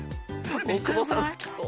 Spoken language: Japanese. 大久保さん好きそう。